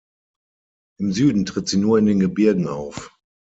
Im Süden tritt sie nur in den Gebirgen auf.